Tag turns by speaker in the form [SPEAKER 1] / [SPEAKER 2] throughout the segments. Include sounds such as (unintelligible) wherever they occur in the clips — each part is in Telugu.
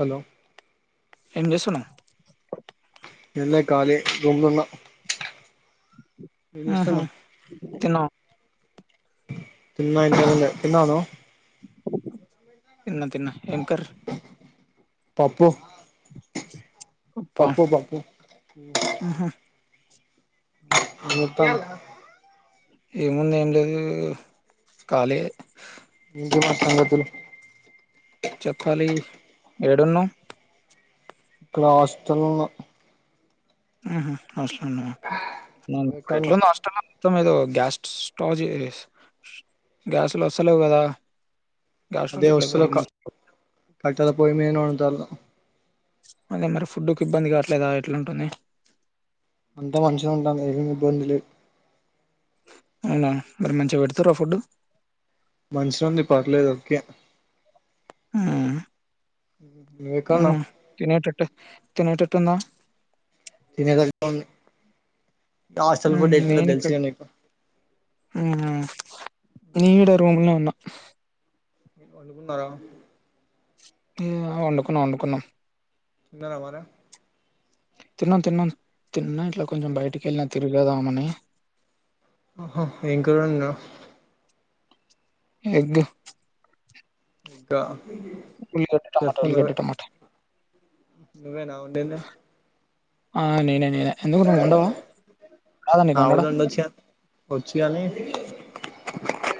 [SPEAKER 1] హలో
[SPEAKER 2] ఏం చేస్తునవ్
[SPEAKER 1] ఏం లే ఖాళీ రూం లో ఉన్నా
[SPEAKER 2] ఆహ తిన్నావా
[SPEAKER 1] తిన్న ఇంతకుముందే తిన్నావా నువ్వు
[SPEAKER 2] తిన్న తిన్న ఏం కర్రీ
[SPEAKER 1] పప్పు
[SPEAKER 2] పప్పా
[SPEAKER 1] పప్పు పప్పు
[SPEAKER 2] ఆహా
[SPEAKER 1] అంతను
[SPEAKER 2] ఏముంది ఏం లేదు ఖాళీ యే
[SPEAKER 1] ఏం సంగతులు
[SPEAKER 2] చెప్పాలి ఏడున్నావ్
[SPEAKER 1] హాస్టల్లో
[SPEAKER 2] ఊహూ హాస్టల్లోన
[SPEAKER 1] నువ్వు ఎక్కడ ఉన్నావ్
[SPEAKER 2] ఇప్పుడెట్లుంది హాస్టల్లో మొత్తం ఏదో గ్యాస్ స్టావ్ చే గ్యాస్ లు వస్తలేవు కదా గ్యాస్ స్టవ్
[SPEAKER 1] అదే హాస్టల్ ఒక
[SPEAKER 2] (unintelligible)
[SPEAKER 1] కట్టెల పొయ్యి మీద వండుతారు
[SPEAKER 2] అదే మరి ఫుడ్కి ఇబ్బంది కావట్లేదా ఎట్లుంటుంది
[SPEAKER 1] అంతా మంచిగ ఉంటాందిగ ఏవి ఇబ్బంది లేదు
[SPEAKER 2] అవునా మరి మంచి
[SPEAKER 1] మంచిగ ఉంది పర్లేదు ఓకే
[SPEAKER 2] హ్మ్
[SPEAKER 1] నువ్వు ఎక్కడ ఉన్నావ్
[SPEAKER 2] హ్మ్ తినేటట్ తినేటట్టుందా
[SPEAKER 1] తినేటట్టు ఉంది హాస్టల్
[SPEAKER 2] ఉమ్,
[SPEAKER 1] ఫుడ్ ఎట్లుంటదో
[SPEAKER 2] నేను ఇక్కడ
[SPEAKER 1] తెలుసుగా నీకు
[SPEAKER 2] నేను కూడ రూమ్ లో ఉన్నా
[SPEAKER 1] వండుకున్నారా
[SPEAKER 2] మ్ వండుకున్నాం వండుకున్నాం
[SPEAKER 1] తిన్నారా మరీ
[SPEAKER 2] తిన్నం తిన్నాం తిన్న ఇట్లా కొంచెం బయటకిెళ్ళిన తి గదామని
[SPEAKER 1] ఆహా ఏం కూరండావ్
[SPEAKER 2] ఎగ్
[SPEAKER 1] ఇంకా
[SPEAKER 2] ఉల్లిగడ్డ టమాటా
[SPEAKER 1] చెప్పు
[SPEAKER 2] ఉల్లిగడ్డ
[SPEAKER 1] నువ్వే
[SPEAKER 2] టమాటా
[SPEAKER 1] నువ్వే నా ఉండింది
[SPEAKER 2] ఆ నేనే నేనే ఎందుకు నువ్వు వండవా రాదా నీకు వండడం
[SPEAKER 1] నావుదండి వచ్చినీ ఒచ్చు గనీ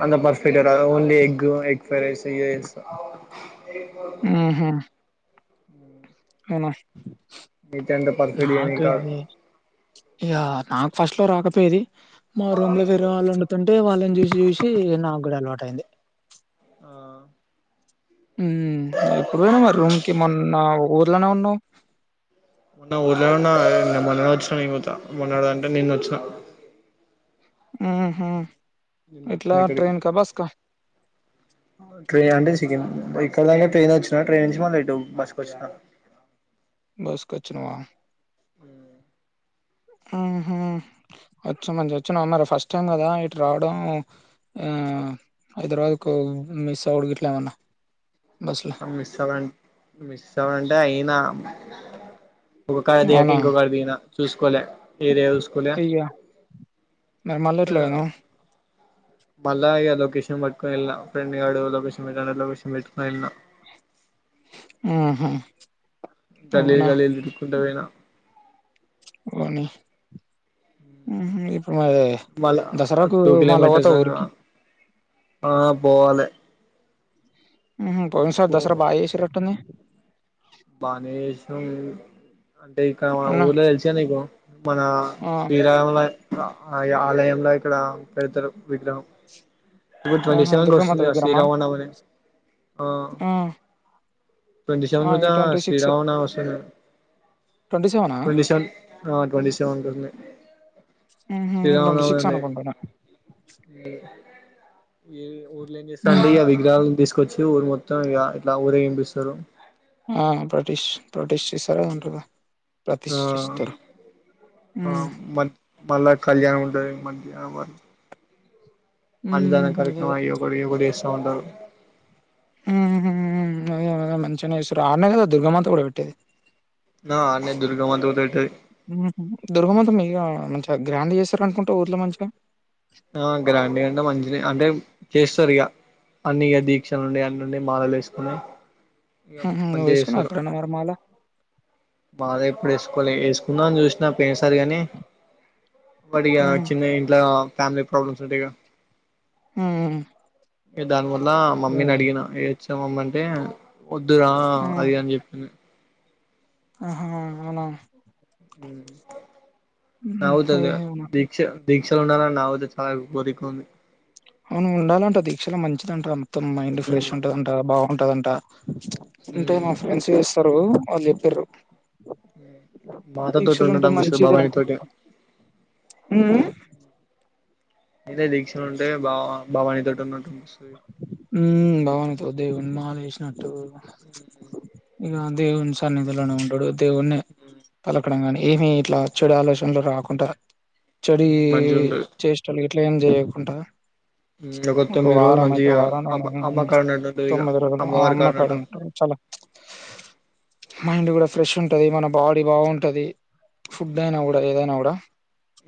[SPEAKER 1] అంద పర్ఫెక్టట్ గ ఓన్లీ ఎగ్ ఎగ్ ఫ్రోరైస్ ఇదె ఎస అపో
[SPEAKER 2] ఊహూ అవునా
[SPEAKER 1] నతే అంట పర్ఫెడిని కా
[SPEAKER 2] ఇఅ నాకు ఫస్ట్ లో రాకపోయేది మా రూమ్ లో వేరే వాళ్ళు ఒండుతుం అంటే వాళ్ళని చూశి జూశి నాకు గూడా అలవాట్ అయింది
[SPEAKER 1] ఆ
[SPEAKER 2] మ్ ఎప్పుడు వొయినవ్ మరి రూమ్కిి మొన్న ఊర్లనె ఉన్నవ్
[SPEAKER 1] మొన్న ఊళ్ళ ఉన్నా మొన్న వచ్చినా నేన్ గుత మొన్నడుంటే నిన్న వచ్చిన
[SPEAKER 2] ఉం హు
[SPEAKER 1] వచ్చినయిక్కడికి ట్రైన్ అండి ఇక్కడ్దాక ట్రైన్ వచ్చిన ట్రైన్ నుంచి మల్ల బస్కొచ్చిన
[SPEAKER 2] బస్ కొచ్చినవా
[SPEAKER 1] ఆ
[SPEAKER 2] మ్హ్ వచ్చా మంచిగా వచ్చా అన్నారు ఫస్ట్ టైం కదా ఇటు రావడం ఆ హైదరాబాద్ కు మిస్ అవడు ఇట్లామన్నా
[SPEAKER 1] మిస్ అవ్వాల మిస్ అవ్వాలంటే అయినా ఒక కాడ దిగక ఇంకో కాడ దిగిన చూసుకోలే ఏరియా చూసుకోలే
[SPEAKER 2] అయ్య మ మల్లెట్లవొయినవ్
[SPEAKER 1] మళ్ళా ఇఅ లొకేషన్ పట్టుకని వెళ్ళిన ఫ్రెండ్ గడు లొకేషన్ పెట్ లొకేషన్ పెట్టుకని వెళ్ళా
[SPEAKER 2] ఆహా
[SPEAKER 1] గల్లల్
[SPEAKER 2] అవునా
[SPEAKER 1] గల్లిల్ ఇకుంట వొయిన
[SPEAKER 2] మ్హ్ ఇప్పుడు మరి
[SPEAKER 1] మళ్ళా
[SPEAKER 2] దసరాకు
[SPEAKER 1] టూ
[SPEAKER 2] మళ్ళ
[SPEAKER 1] కిలోమీటర్స్
[SPEAKER 2] పోతవ
[SPEAKER 1] దాకా
[SPEAKER 2] ఊరికి
[SPEAKER 1] ఆ పోవాలే
[SPEAKER 2] మ్ పోన సార్ దసరా బా చేశి రట్టుంది
[SPEAKER 1] బానే జేష్నం అంటే ఇక
[SPEAKER 2] అవునా
[SPEAKER 1] ఊర్లో తెలిచా నీకు మన
[SPEAKER 2] ఆ
[SPEAKER 1] శీరల ఆ ఆలయంలో ఇక్కడ పెడద్దరు (unintelligible) విగ్రహం ఈ ట్వంటీ
[SPEAKER 2] ఆహా
[SPEAKER 1] సెవెన్ కి వస్తుంది గ శ్రీరామ నవమనే
[SPEAKER 2] అ ఆ ఎప్
[SPEAKER 1] అ శ్రీరామనవమి వస్తుందిగా
[SPEAKER 2] ట్వంటీ సెవెనా
[SPEAKER 1] ట్వంటి సెవెన్ ట్వంటీ సెవెన్ వస్తున్నాయి
[SPEAKER 2] ఉహు ట్వంటీ సిక్స్
[SPEAKER 1] శ్రీరామనవమి
[SPEAKER 2] అనుకుంటున్నా
[SPEAKER 1] ఏ ఊళ్లో ఏం చేస్తాండు
[SPEAKER 2] ఉహు.
[SPEAKER 1] ఇయాళ్ళ విగ్రహలను తీసు కొచ్చి ఊరు మొత్తం ఇగ ఇట్లా ఊరే వింపిస్తారు
[SPEAKER 2] ఆ ప్రటిష్ ప్రొటిష్ చేసారదంటగా
[SPEAKER 1] ఆ
[SPEAKER 2] ఉమ్
[SPEAKER 1] మ మ మళ్ళ కళ్యాణం ఉంటది ఈ మధ్య అందరు
[SPEAKER 2] ఉమ్ అదే
[SPEAKER 1] కలిసిమ
[SPEAKER 2] అదే
[SPEAKER 1] ఎవరు ఎవడో క చౌండరు
[SPEAKER 2] ఉమ్మ్మ్అదే గద మంచిగానే చెస్తారు ఆడ్నే కదా దుర్గమ్మంత కూడా పెట్టేది
[SPEAKER 1] ఆ ఆన్నే దుర్గమాత పెట్టది
[SPEAKER 2] దుర్గమాతో మీ మ గ్రాండ్ చేస్తర అనుకుంట ఊర్లో మంచిగా
[SPEAKER 1] ఆ గ్రాండ్ గా కంటే మంచి అంటే చేస్తది ఇక అన్ని ఇక దీక్షలుండాయి అన్నిండి మాలలు వేసుకుని ఇక
[SPEAKER 2] నువ్వు వేసుకున్నావ ఎప్పుడన్నా మరి మాల
[SPEAKER 1] బాగ ఎప్పుడు వేసుకోవాలె వేసుకుందాం అని చూసినా పోయినసారి కాగాని ఉమ్మడిగా
[SPEAKER 2] హ్మ్.
[SPEAKER 1] చిన్న ఇంట్లో ఫ్యామిలీ ప్రోబ్లమ్స్ ఉంటయిగా
[SPEAKER 2] ఉహ్
[SPEAKER 1] ఏ దాన్ గొ నా మమ్మిని అడిగిన చెవ మంటే వద్దురా
[SPEAKER 2] హ్మ్.
[SPEAKER 1] అది అని చెప్పిను
[SPEAKER 2] ఆహా అవున
[SPEAKER 1] నావుదక
[SPEAKER 2] ఏహేమో
[SPEAKER 1] దీక్ష దీక్షలు ఉండాలని నా వతే చాలు బరికు ఉంది
[SPEAKER 2] అవును ఉండాలంట దీక్షలొ మంచిది అంటారు మొత్తం మైండ్ ఫ్రెష్
[SPEAKER 1] హ్మ్
[SPEAKER 2] ఉంటుదంట బాగుంటుదంట అంటే మా
[SPEAKER 1] హ్మ్
[SPEAKER 2] ఫ్రెండ్స్ చేస్తారు వాళ్ చెప్పారు
[SPEAKER 1] మాతొ తోటి ఉండడం
[SPEAKER 2] మంచిదిరా
[SPEAKER 1] బబాని తోటే
[SPEAKER 2] హ్మ్.
[SPEAKER 1] ఇదే దీక్షలు ఉంటే బావ భవానీ తొటున్నట్టుస (inaudible)
[SPEAKER 2] మ్మ్ భవానీ తో దేవుని మాలేసినట్టు ఇగ దేవుని సన్నిధిలోనే ఉంటడు దేవున్నే పలకడం కానీ ఏమి ఇట్లా చెడు ఆలోచనలు రాకుంటా చెడి
[SPEAKER 1] ఉమ్ మంచిగా ఉంటది
[SPEAKER 2] చేష్టలు గ ట్లేం చెయ్యకుంట
[SPEAKER 1] మ్ ఒక తొమ్మిది రోజులు మంచి
[SPEAKER 2] (unintelligible) తొమ్మిది రోజులు ఆ
[SPEAKER 1] అమ్మవారి కాడ ఉన్నట్టు
[SPEAKER 2] అమ్మకాడుంటా చాలా మైండు కూడా ఫ్రెష్ ఉంటది మన బాడీ బావుంటది ఫుడ్ అయినా కూడా
[SPEAKER 1] ఉమ్
[SPEAKER 2] ఏదైనా కూడా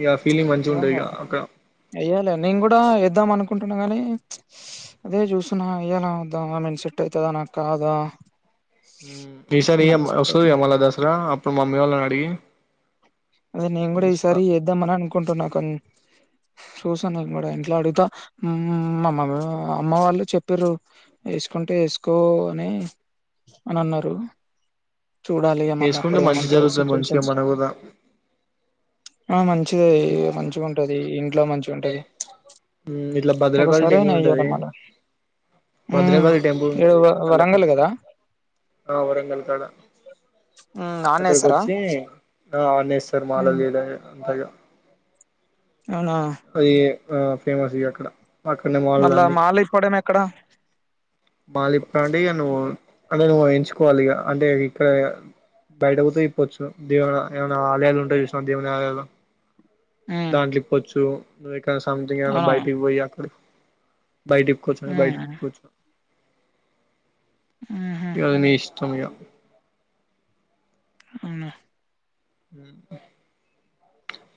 [SPEAKER 1] ఇగ ఫీలింగ్ మంచిగా ఉంటది ఇగ
[SPEAKER 2] (unintelligible)
[SPEAKER 1] అక్కడ
[SPEAKER 2] ఎయ్యాల నేను కూడా ఏద్దాం అనుకు కుంటున్నా గానీ అదే చూస్తున్న్ ఎయ్యాలా వద్దా ఐమీన్ సెట్ ఐతదా నాకు కాదా
[SPEAKER 1] మ్మ్ ఈ సారి
[SPEAKER 2] నాకు సెట్ అయితదా
[SPEAKER 1] వస్తాదిగా మళ్ళా దసరా అప్పుడు మామ్మీ వాళ్ళనడిగి
[SPEAKER 2] అదే నేను కూడా ఈసారి ఏద్దామని అనుకుంటున్నా కొన్ చూసా నేన్ కూడా
[SPEAKER 1] ఉమ్
[SPEAKER 2] ఇంట్లో అడుగుతా మ్మ్ మామమ్మి అమ్మ వాళ్ళు చెప్పిర్రు ఏసుకుంటే ఏసుకో అని అని అన్నారు
[SPEAKER 1] ఉమ్
[SPEAKER 2] చూడాలి ఇగ మళ్ళీ
[SPEAKER 1] ఏసుకుంటే
[SPEAKER 2] అప్పుడు
[SPEAKER 1] మంచి
[SPEAKER 2] ఏమంటారో
[SPEAKER 1] జరుగుతుది మంచిగా
[SPEAKER 2] సిచ్యువేషన్స్
[SPEAKER 1] మన కూడా
[SPEAKER 2] ఆ మంచిది మంచిగుంటది ఇంట్లో మంచి ఉంటది
[SPEAKER 1] ఉమ్ ఇట్లా భద్రకాళి
[SPEAKER 2] ఒకసారైనా
[SPEAKER 1] టెంపుల్
[SPEAKER 2] ఎయ్యాల
[SPEAKER 1] ఉంటది
[SPEAKER 2] మాల ఉమ్
[SPEAKER 1] భద్రకాళి టెంపుల్
[SPEAKER 2] ఏడ
[SPEAKER 1] ఉంటది అళ్ళకి
[SPEAKER 2] వరంగల్
[SPEAKER 1] వచ్చి
[SPEAKER 2] కదా
[SPEAKER 1] ఆ వరంగల్ కాడ
[SPEAKER 2] ఉమ్ నాన్నేస్తారా
[SPEAKER 1] మాల తీడాయె అంత ఇగ
[SPEAKER 2] అవునా
[SPEAKER 1] అది ఆ ఫేమస్ ఇవి అక్కడ అక్కడనే మాలలు
[SPEAKER 2] మళ్ళ మాల ఇప్పడమే క్కడ
[SPEAKER 1] మాలిప్పాండి ఇగ నువ్వు అంటే నువ్వు ఎంచుకోవాలి ఇగ అంటే ఇక్కడ బయట పోతే ఇప్పచ్చు దేవుని ఏమైనా ఆలయాలు ఉంటాయి చూసినావా దేవుని ఆలయాలు
[SPEAKER 2] మ్మ్
[SPEAKER 1] దాంట్లో ఇప్పొచ్చు (unintelligible) కానీ సంధింగ్ ఏమన్నా
[SPEAKER 2] అవునా
[SPEAKER 1] బైటికి పోయి ఆక్కడి బైటిప్పుకోచ్చన
[SPEAKER 2] మ్మ్
[SPEAKER 1] బైటిప్పుకోచ్చు
[SPEAKER 2] మ్మ్హు
[SPEAKER 1] అది నీ ఇష్టం ఇగ
[SPEAKER 2] అవునా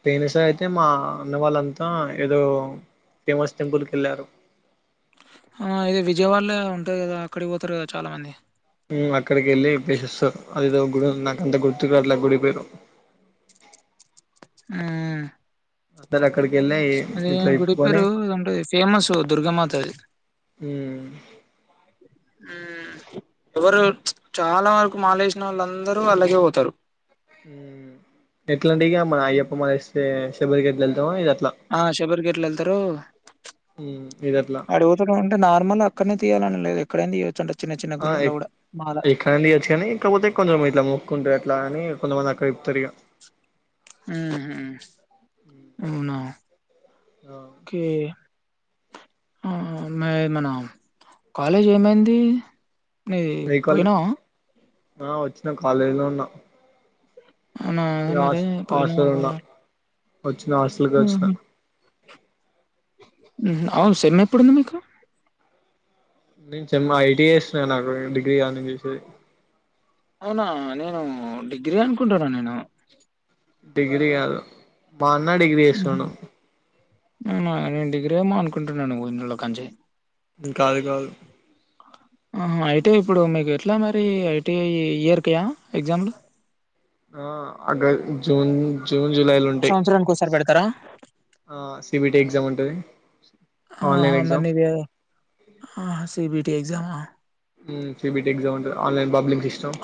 [SPEAKER 1] పోయిైన సార్ అయితే, మా అన్న వాళ్ళంతా ఏదో ఫేమస్ టెంపుల్ కి వెళ్ళారు.
[SPEAKER 2] ఆ ఇది విజయవాడలే ఉంటాది కదా అక్కడికి పోతారు కదా చాలా మంది.
[SPEAKER 1] హు అక్కడికి వెళ్ళి ప్లేసెస్ అదేదో గుడి నాకంత గుర్తుకు రావట్లా గుడి పేరు
[SPEAKER 2] హూ
[SPEAKER 1] అందరు అక్కడికి వెళ్ళి
[SPEAKER 2] అది
[SPEAKER 1] ఇట్లా
[SPEAKER 2] గుడి
[SPEAKER 1] ఇప్పుకొని
[SPEAKER 2] పేరు అంటే ఫేమస్ దుర్గామాతది
[SPEAKER 1] ఉమ్
[SPEAKER 2] ఎవరు చాలా వరకు మాలేసిన నోళ్ళందరూ అలాగే పోతారు
[SPEAKER 1] ఎట్లాంటిే ఇగ మా అయ్యప్ప మాల స్తే బైకి ఎట్ల వెళ్తామో ఇది అట్ ఉమ్ ఇది అట్లా
[SPEAKER 2] అడుగుతడు అంటే నార్మల్ అక్కడనే తీయాలనే లేదు ఎక్కడైనా తీయొచ్చు అంట చిన్న చిన్న
[SPEAKER 1] ఆ
[SPEAKER 2] గుళ్ళలో
[SPEAKER 1] ఎక్
[SPEAKER 2] కూడా మాల
[SPEAKER 1] ఎక్కడన్నా ఇయ్యొచ్చు కానీ కాకపోతే కొందరు ఇట్లా మొక్కుంట ఎట్లా అని కొంతమంది అక్కడే తరి గా
[SPEAKER 2] హు హుమ్ అవునా కే ఆ మే మన కాలేజ్ ఏమైంది నే
[SPEAKER 1] ఏ కాలేజ్
[SPEAKER 2] పోయినావ
[SPEAKER 1] ఆ వచ్చిన కాలేజ్ లో ఉన్నా
[SPEAKER 2] అవునా
[SPEAKER 1] ఇగ
[SPEAKER 2] మరి పోయినా
[SPEAKER 1] హాస్టల్ ఉన్నా
[SPEAKER 2] అవలా
[SPEAKER 1] వచ్చిన హాస్టల్ కి వచ్చినా
[SPEAKER 2] హు హ్ అవును సెమ్ ఎప్పుడుంది మీకు
[SPEAKER 1] నేన్ చెన్మ ఐటీ చేస్తున్నా నాకు డిగ్రీ కాద్ నేన్ చేసేది
[SPEAKER 2] అవునా నేను డిగ్రీ అనుకుంటున్న నేను
[SPEAKER 1] డిగ్రీ కాదు మా అన్న డిగ్రీ
[SPEAKER 2] ఉహు
[SPEAKER 1] చేస్తున్నడు
[SPEAKER 2] అవునా నేను డిగ్రీ ఏమో అనుకుంటున్నాను ఇన్ని రోజుల కానుంచి
[SPEAKER 1] కాదు కాదు
[SPEAKER 2] ఆ హా ఐటీ ఇప్పుడు మీకు ఎట్లా మరి ఐటీఐ ఇయర్ కయా ఎగ్జామ్లు
[SPEAKER 1] ఆ అగ జూన్ జూన్ జూలైలో ఉంటాయి
[SPEAKER 2] సంవత్సరానికి ఒకసారి పెడతారా
[SPEAKER 1] ఆ సిబిటి ఎగ్జామ్ ఉంటది
[SPEAKER 2] ఆహా
[SPEAKER 1] ఆన్లైన్
[SPEAKER 2] మరి
[SPEAKER 1] ఎగ్జామ్
[SPEAKER 2] టి ఎగ్జామ్ ఆ
[SPEAKER 1] హ్మ్ సిబిటి ఎగ్జామ్ ఉంటది ఆన్లైన్ బబ్లింగ్ సిస్టమ్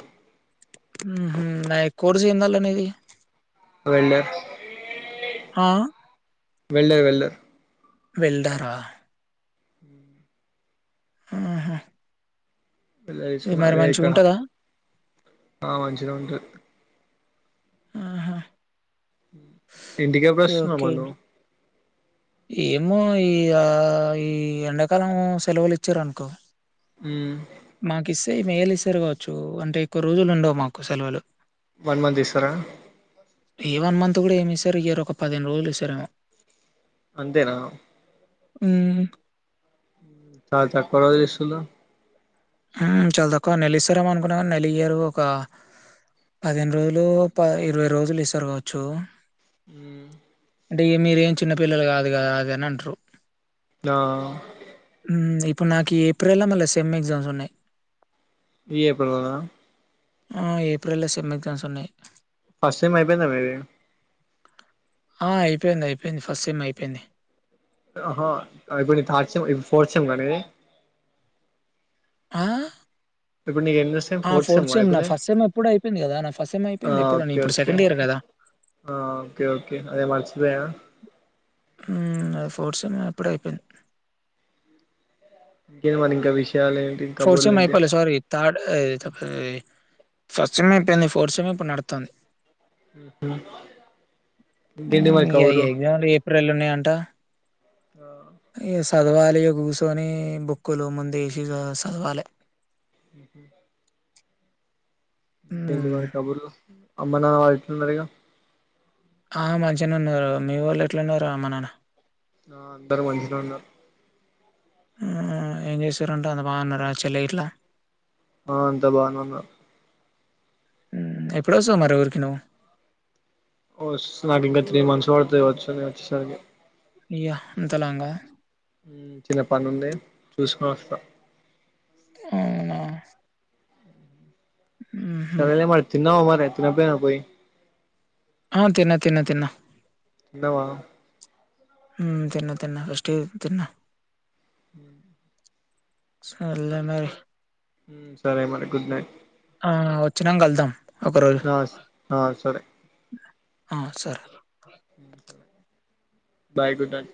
[SPEAKER 2] మ్మ్ హుమ్ నాయ్ కోర్సు ఎందాలే నీది
[SPEAKER 1] వెల్డర్
[SPEAKER 2] ఆ
[SPEAKER 1] వెల్డర్ వెల్డర్
[SPEAKER 2] వెల్డర్ రా
[SPEAKER 1] హ్మ్
[SPEAKER 2] ఆహా
[SPEAKER 1] (unintelligible)
[SPEAKER 2] ఇది
[SPEAKER 1] తీసుకున్న
[SPEAKER 2] మరి
[SPEAKER 1] అదేక
[SPEAKER 2] మంచిగుంటదా
[SPEAKER 1] ఆ మంచిగా ఉంటది
[SPEAKER 2] ఆహా
[SPEAKER 1] హ ఇంటికి ఎప్పుడు
[SPEAKER 2] ఓకే
[SPEAKER 1] వస్తున్నావు
[SPEAKER 2] ఓకే
[SPEAKER 1] మరీ నువ్
[SPEAKER 2] ఏమో ఈ యా ఈ ఎండాకాలం సెలువులు ఇచ్చిన్ రనుకో
[SPEAKER 1] హమ్
[SPEAKER 2] మాకు ఇస్తే మేల్ ఇస్తారు కావచ్చు అంటే ఎక్కువ రోజులు ఉండవు మాకు సెలవులు
[SPEAKER 1] వన్ మంత్ ఇస్తరా
[SPEAKER 2] ఏ వన్ మంత్ కూడా ఏమి ఇస్తరు ఇయరు ఒక పదిహేను రోజులు ఇస్తారేమో
[SPEAKER 1] అంతేనా
[SPEAKER 2] ఉమ్
[SPEAKER 1] చాలు చాలు (unintelligible) చేస్తున్నవ్
[SPEAKER 2] ఉమ్ చాలా తక్కువ నెలి ఇస్తారేమ అనుకున్నా నెల ఇయారు ఒక పదిహేను రోజులు ప ఇరవై రోజులు ఇస్తారు కావచ్చు
[SPEAKER 1] ఉమ్
[SPEAKER 2] అంటే ఇ మీరు ఏం చిన్నపిల్లలు కాదు కదా అది అని అంటరు
[SPEAKER 1] ఆ
[SPEAKER 2] ఉమ్ ఇప్పుడు నాకి ఈ ఏప్రిల్ లో మళ్ళీ సెమ్ ఎగ్జామ్స్ ఉన్నాయి
[SPEAKER 1] ఈ ఏప్రిల్ లోన
[SPEAKER 2] ఆ ఏప్రిల్ లో సెమ్ ఎగ్జామ్స్ ఉన్నాయి
[SPEAKER 1] ఫస్ట్ సెమ్ అయిపోయిందా మీది
[SPEAKER 2] ఆ అయిపోయింది అయిపోయింది ఫస్ట్ సెమ్ అయిపోయింది
[SPEAKER 1] ఆహా ఇప్పుడు నీది థర్డ్ సెమ్ ఫోర్త్ గద నీది
[SPEAKER 2] ఆ
[SPEAKER 1] ఇప్పుడు నీది ఎన్నో సెమ్
[SPEAKER 2] ఆ!
[SPEAKER 1] ఫోర్త్ సెమ్మా
[SPEAKER 2] సెమ్
[SPEAKER 1] ఇప్పుడు
[SPEAKER 2] నా
[SPEAKER 1] నీది
[SPEAKER 2] ఫస్ట్ సెమ్ ఎప్పుడో అయిపోయింది గదా! నా ఫస్ట్ సెమ్
[SPEAKER 1] ఆ
[SPEAKER 2] అయిపోయింది. ఎప్పుడో నేను
[SPEAKER 1] ఓకే
[SPEAKER 2] ఇప్పుడు
[SPEAKER 1] ఓకే
[SPEAKER 2] సెకండ్ ఇయర్ గదా!
[SPEAKER 1] ఆ ఓకే ఓకే అదే మర్చిపోయా
[SPEAKER 2] ఉమ్ నాది ఫోర్త్ సెమ్ ఎప్పుడో అయిపోయింది
[SPEAKER 1] ఇంకేంటి మరి ఇంకా విషయాలు ఏంటి
[SPEAKER 2] ఫోర్త్
[SPEAKER 1] కబుర్లు
[SPEAKER 2] సెమ్
[SPEAKER 1] ఏంటి
[SPEAKER 2] అయిపోలే సారి థర్డ్ ఎ (unintelligible) ఫస్ట్ సెమ్ అయిపోయింది ఫోర్త్ సెమ్ ఇప్పుడు నడుతంది
[SPEAKER 1] ఉహు
[SPEAKER 2] అ
[SPEAKER 1] ఇంకేంటి మరి
[SPEAKER 2] ఇగ ఈ
[SPEAKER 1] కబుర్లు
[SPEAKER 2] ఎగ్జామ్లు ఏప్రిల్ లో ఉన్నాయి అంట
[SPEAKER 1] ఆ
[SPEAKER 2] ఇగ చదవాలి కూసోనీ బుక్కులు ముందు వేసి చదవాలి
[SPEAKER 1] ఉహు ఏంటి
[SPEAKER 2] హ్మ్.
[SPEAKER 1] మరి కబుర్లు అమ్మ నాన్న వాళ్ళు ఎట్లున్నారు ఇగ
[SPEAKER 2] ఆ మంచిగానే ఉన్నారు మీ వొళ్ళు ఎట్లు ఉన్నారు అమ్మ నాన్న
[SPEAKER 1] ఆ అందరు మంచిగానే ఉన్నారు
[SPEAKER 2] ఆ ఏం చేసిన్రంటంది అంత బాగున్నార చెల్ల ఇట్లా
[SPEAKER 1] ఆ అంత బాగానేఉన్న
[SPEAKER 2] ఉమ్ ఎప్పుడు వస్తావ్ మరి ఊరికి నువ్
[SPEAKER 1] ఓ (unintelligible) నాకు ఇంకా త్రీ మంత్స్ పడతది వచ్చుని వచ్చేసరికి
[SPEAKER 2] ఇయ్య అంతలాంగా
[SPEAKER 1] చిన్న పని ఉంది చూసుకొని వస్తా
[SPEAKER 2] అవునా ఊహు
[SPEAKER 1] సరేలే మరి తిన్నావా మరి (unintelligible) పోయి
[SPEAKER 2] ఆ తిన్న తిన్న తిన్నా
[SPEAKER 1] న్నవా
[SPEAKER 2] హ్మ్ తిన్న తిన్న ఫస్ట్ తిన్న
[SPEAKER 1] హ్మ్
[SPEAKER 2] సర్లే మరి
[SPEAKER 1] హ్మ్ సరే మరి గుడ్ నైట్
[SPEAKER 2] ఆ వచ్చినంకళ్దాం
[SPEAKER 1] ఆ ఆ సరే
[SPEAKER 2] ఆ సరె
[SPEAKER 1] బాయ్ గుడ్ నైట్